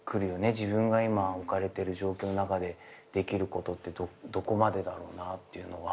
自分が今置かれてる状況の中でできることってどこまでだろうなっていうのは。